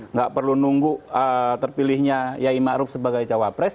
nggak perlu nunggu terpilihnya yai ma'ruf sebagai cawapres